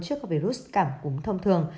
trước virus cẳng cúm thông thường